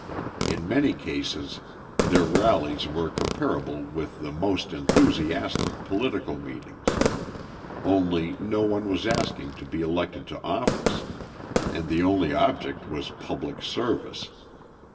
In many cases their rallies were comparable with the most enthusiastic political meetings only no one was asking to be elected to office, and the only object was public service.